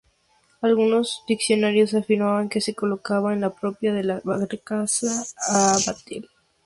Algunos diccionarios afirman que se colocaba en la proa de la barcaza o batel.